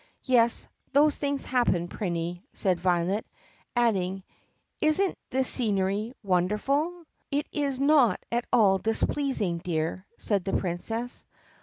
"Yes, those things happen, Prinny," said Violet, adding, "Is n't the scenery wonderful?" "It is not at all displeasing, dear," said the Princess.